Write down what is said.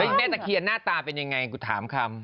แม่ตะเคียนหน้าตาเป็นยังไงกูถามคำ